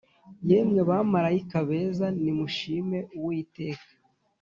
Yemwe bamarayika beza nimushim’uwiteka